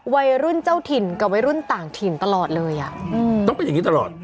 วัยรุ่นเจ้าถิ่นกับวัยรุ่นต่างถิ่นตลอดเลยอ่ะอืมต้องเป็นอย่างนี้ตลอด